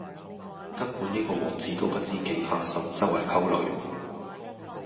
根本呢個王子都不知幾花心,周圍溝女